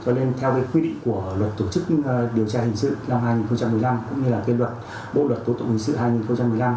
cho nên theo cái quy định của luật tổ chức điều tra hình sự năm hai nghìn một mươi năm cũng như là cái luật bộ luật tố tụng hình sự hai nghìn một mươi năm